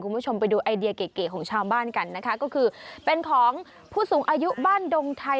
คุณผู้ชมไปดูไอเดียเก๋ของชาวบ้านกันนะคะก็คือเป็นของผู้สูงอายุบ้านดงไทย